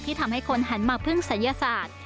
ที่ทำให้คนหันหมักพึ่งศัลยศาสตร์